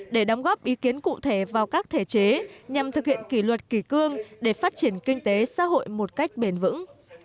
để đóng góp ý kiến cụ thể vào các thể chế nhằm thực hiện kỷ luật kỷ cương để phát triển kinh tế xã hội một cách bền vững